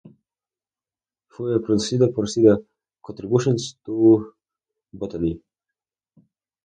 Fue precedida por "Sida, contributions to botany".